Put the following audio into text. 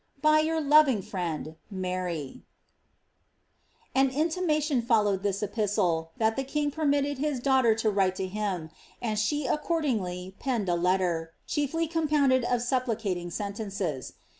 " By your loving friend, "Mart."* An intimation followed tliis epistle, that the king permitted his daugh ter to write to him ; and she accordingly penned a letter,' chiefly com pounded of supplicating sentences.